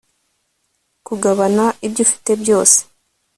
kugabana ibyo ufite byose